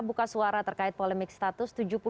buka suara terkait polemik status